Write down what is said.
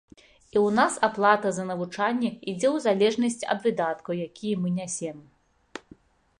І ў нас аплата за навучанне ідзе ў залежнасці ад выдаткаў, якія мы нясем.